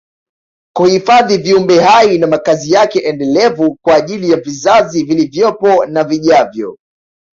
kuhifadhi viumbe hai na makazi yake endelevu kwa ajili ya vizazi vilivyopo na vijavyo